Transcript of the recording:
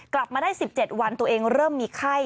กลับมาได้๑๗วันตัวเองเริ่มมีไข้